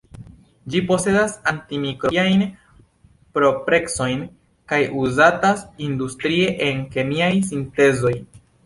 Ĝi posedas anti-mikrobiajn proprecojn kaj uzatas industrie en kemiaj sintezoj.